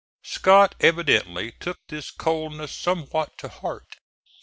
Scott evidently took this coldness somewhat to heart.